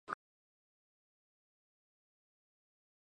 ドゥー県の県都はブザンソンである